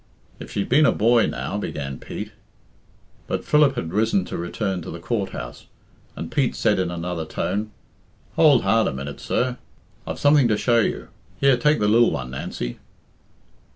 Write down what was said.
"If she'd been a boy, now " began Pete. But Philip had risen to return to the Court house, and Pete said in another tone, "Hould hard a minute, sir I've something to show you. Here, take the lil one, Nancy."